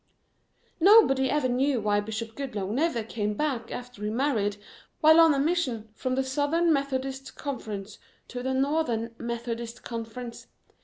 "Nobody ever knew why Bishop Goodloe never came back after he married while on a mission from the Southern Methodist Conference to the Northern Methodist Conference.